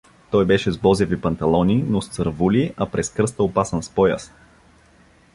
Той беше с бозяви панталони, но с цървули, а през кръста опасан с пояс.